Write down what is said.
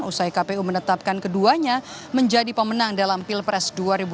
usai kpu menetapkan keduanya menjadi pemenang dalam pilpres dua ribu dua puluh